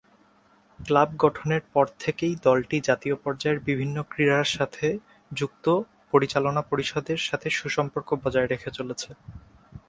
Club গঠনের পর থেকেই দলটি জাতীয় পর্যায়ের বিভিন্ন ক্রীড়ার সাথে যুক্ত পরিচালনা পরিষদের সাথে সুসম্পর্ক বজায় রেখে চলেছে।